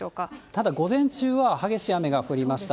ただ、午前中は激しい雨が降りました。